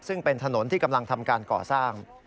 ซึ่งเป็นถนนที่กำลังทำการก่อสร้าง